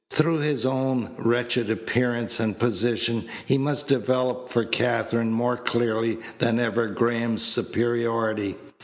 Through his own wretched appearance and position he must develop for Katherine more clearly than ever Graham's superiority.